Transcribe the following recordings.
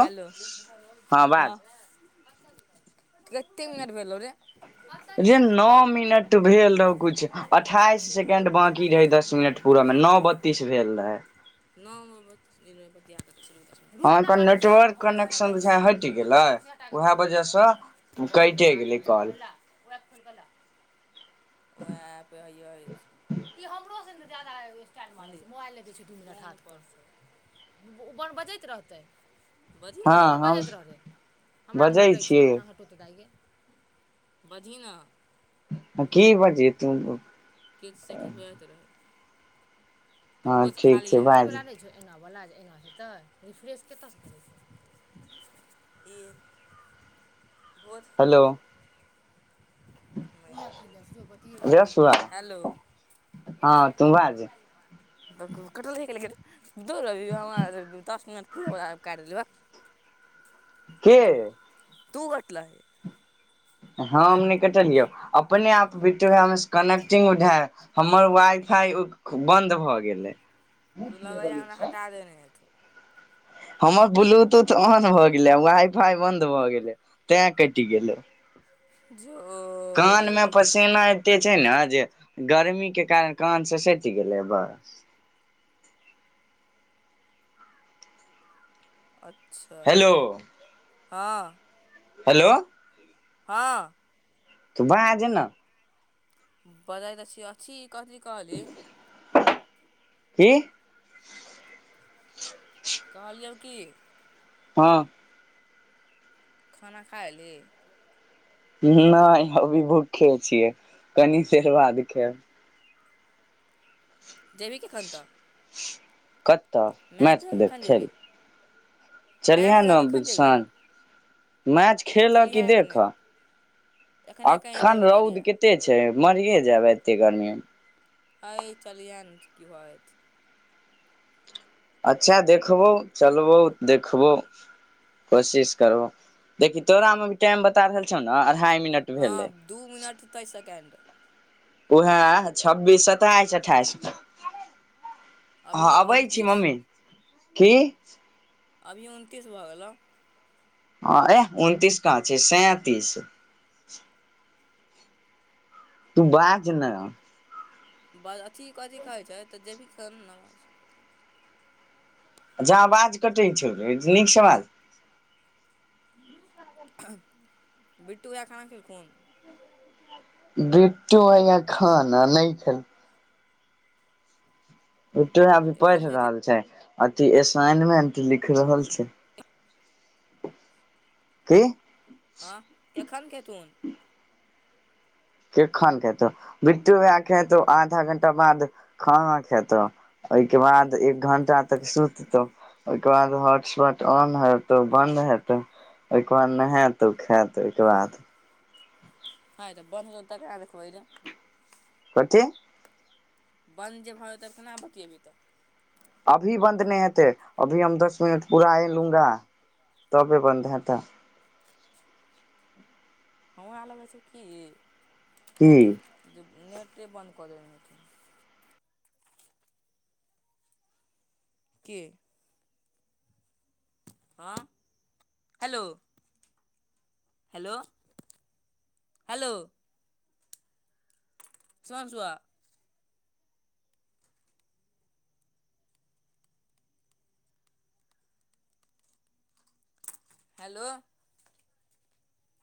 Hello हँ तीन minute भेलौ रे जे न मिनट भेल रहौ कुछ अठाइस सेकेंड बाँकी रहे दस मिनट पूर मे नओ बत्तीस भेल रहै [unintelligible] रुक न अहाँके कटतौ नेटवर्क कनेक्शन बुझाय हटि गेलै उएह वजहसँ [unintelligible] लोक कटे लागल गेलै हय त की कॉल ला [unintelligible] खोइल क ला उएह ऐप हए अछि ई हमरो से ने जादा स्टाइल मारइ छइ मोबाइल नै दय छय दू मिनट हाथ पर से उ बन बजैत रहतै बजही न गे हँ तू अपन हम बजैत रह रय हमरामे बजै हटै छै छियै एना हट दाय गे बजही न की बजयै तू किछ से किछ बजैत रहे तऽ हँ भोज ठीक छै खालीहै ई बाज बला नै छै एनावला जे एना हेतै रिफ्रेश कतऽसँ करै छ ई भोज हेलो जसुआ हेलो हँ तू बाज [unintelligible] [unintelligible] के तू कटलहि हम नइ कटलियौ अपने आप बिटुहे मे स कने्टिंग उधार हमर वाई फाई बंद भ गेलए तू लगैया हमरा हटा देने हेथुन हमर ब्लूटूथ ऑन भऽ गेलै वाइ फाई बंद भ गेलए तें कटि गेलए जो कान रे में पस सेना एते छै न जे गर्मी के कारण कान से सटी गेलै बस अच्छा हेलो हँ हेलो हँ तऽ बाज न बजा तऽ छी अ छी कथी कहलही की कहलियौ कि हँ खाना खाय एलही नय अभी भूखे छियै कनी देर बाद खेब जेबहि केखन त कतय मैचके देखै देख कखन खेल जेबही मैच देखा चलिहेने कखन जेबही सान, मैच खेलह कि चलिहे एखने देखह? एखने कनि अख्खन देरमे रौद चलिहे कत्ते छै, मरिए जैब एत्ते गर्मी में। हइ चलिहेंन, की भऽजेतय? अच्छा देखबौ, चलबौ, देखबौ कोशिश करबौ, देखि तोरा मे अभी टाइम बता रहल छौ ने अढ़ाई मिनट हँ भेलै दू मिनट तैइस सेकेंड। उहै छब्बीस, सत्ताइस, अठ्ठाइस। हँ अभी अबै छी उनतीस मम्मी, की? अभी उनतीस भऽ गेलौ। हँ एह उनतीस कहाँ छै? सैंऽतीस। तू बाजने। ब- अथी, कथी कहै छै तऽ जेबी कर नेस? जा आवाज कटै छौ, नीक स बाज। बिट्टू बैया खाना खेलखुन? बिट्टु भैया खाना, नय खेल बिट्टु भैइया अभी पैढ़ कखन खेथिन रहल छै। अथी एसाइनमेंट लिख रहल छै। [inaudible] की? हँ केखन खेथुन? केखन खेतौ? बिट्टू भैइया खेतौ आधा घंटा बाद खाना खेतौउ। ओयके बाद एक घंटा तक सुततौउ। ओयके बाद हॉटस्पॉट ऑन हेतौउ, बन्द हेतौउ। ओयके बाद नहैऽत ओ खैऽत ओइके बाद। हैतऽ बन हो तऽ काज करी रे। कथी? बन्द जे भ जेतय त कोना बतियेबय तऽ? अभी बन्द नय हेतय, अभी हम दस मिनट पूराए लूंगा तबे बन्द हेतऽ। हमरा लगै छौ की? की? जे नेटे बन्द क देने हेतउ। के? हँ, हेलो हेलो- हेलो- सोन सुहा हेलो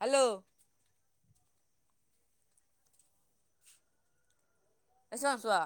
हेलो अयसन सुआ